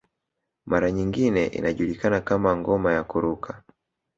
Mara nyingine inajulikana kama ngoma ya kuruka